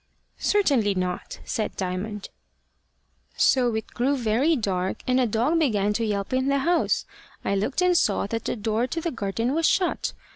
"Certainly not," said Diamond. "So it grew very dark; and a dog began to yelp in the house. I looked and saw that the door to the garden was shut.